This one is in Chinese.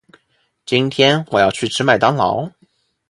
今天我要去吃麦当劳。